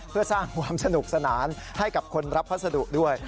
เพื่อสร้างความสนุกสนานให้กับคนรับพัสดุด้วย